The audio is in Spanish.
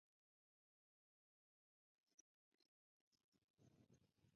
La historia occidental comienza con la llegada del conquistador realista.